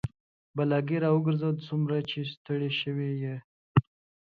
بلاګي د راوګرځه سومره به ستړى شوى وي